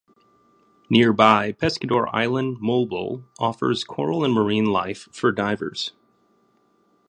Nearby Pescador Island, Moalboal offers corals and marine life for divers.